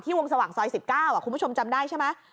วงสว่างซอย๑๙คุณผู้ชมจำได้ใช่ไหม